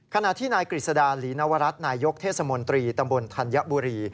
ขณะที่นายกฤษดาหลีนวรัฐนายยกเทศมนตรีตำบลธัญบุรี